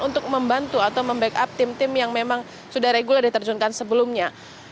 untuk membantu atau membackup tim tim yang memang sudah reguler diterjunkan sebelumnya